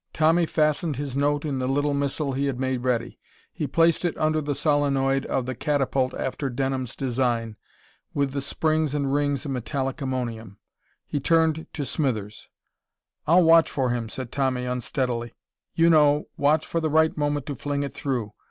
Tommy fastened his note in the little missile he had made ready. He placed it under the solenoid of the catapult after Denham's design, with the springs and rings of metallic ammonium. He turned to Smithers. "I'll watch for him," said Tommy unsteadily. "You know, watch for the right moment to fling it through.